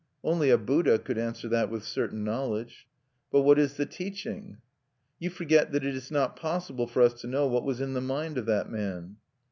"Only a Buddha could answer that with certain knowledge." "But what is the teaching?" "You forget that it is not possible for us to know what was in the mind of that man."